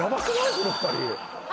この２人。